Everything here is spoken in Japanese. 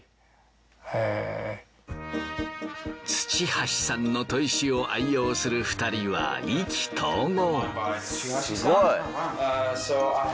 土橋さんの砥石を愛用する２人は意気投合。